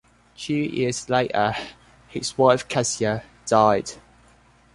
Two years later his wife Keziah died.